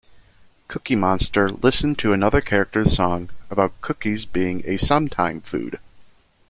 Cookie Monster listened to another character's song about cookies being a sometime food.